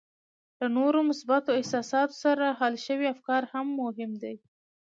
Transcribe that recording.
له نورو مثبتو احساساتو سره حل شوي افکار هم مهم دي